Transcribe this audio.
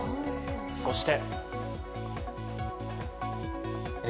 そして。